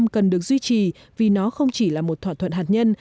cần được duy trì vì nó không chỉ là một thỏa thuận hạt nhân